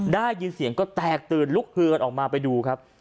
ได้ยินเสียงก็แตกตื่นลุกฮือกันออกมาไปดูครับ